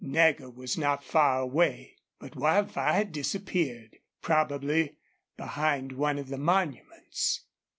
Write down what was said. Nagger was not far away, but Wildfire had disappeared, probably behind one of the monuments.